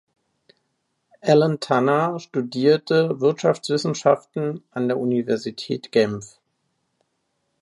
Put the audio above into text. Alain Tanner studierte Wirtschaftswissenschaften an der Universität Genf.